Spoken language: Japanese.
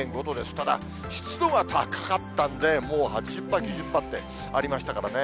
ただ、湿度は高かったんで、もう８０％、９０％ってありましたからね。